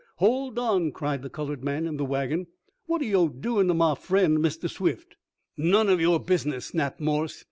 Hold on!" cried the colored man in the wagon. "What are yo' doin' to mah friend, Mistah Swift?" "None of your business!" snapped Morse.